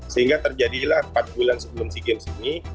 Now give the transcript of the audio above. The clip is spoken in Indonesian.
sehingga terjadilah empat bulan sebelum sea games ini